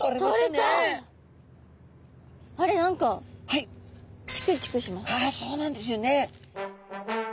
あれ何かあそうなんですよね。